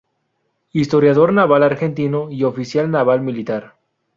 Historiador naval argentino y oficial naval militar.